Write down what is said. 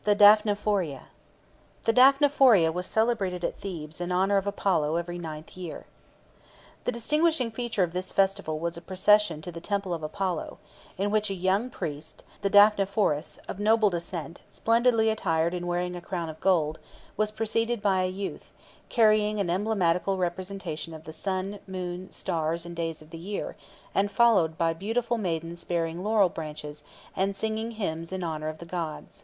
DAPHNEPHORIA. The Daphnephoria was celebrated at Thebes in honour of Apollo every ninth year. The distinguishing feature of this festival was a procession to the temple of Apollo, in which a young priest (the Daphnephorus) of noble descent, splendidly attired and wearing a crown of gold, was preceded by a youth, carrying an emblematical representation of the sun, moon, stars, and days of the year, and followed by beautiful maidens bearing laurel branches, and singing hymns in honour of the god.